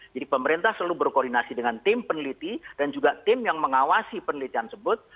jadi pemerintah selalu berkoordinasi dengan tim peneliti dan juga tim yang mengawasi penelitian sebut